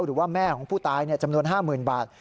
หรือว่าแม่ของผู้ตายจำนวน๕๐๐๐บาท